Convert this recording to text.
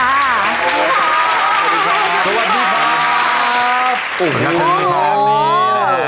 สวัสดีครับ